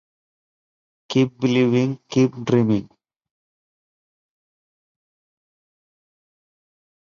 Keep believing, keep dreaming.